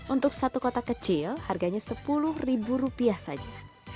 untuk satu kotak kecil harganya sepuluh ribu rupiah saja